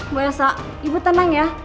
bu elsa ibu tenang ya